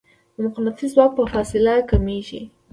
د مقناطیس ځواک په فاصلې کمېږي.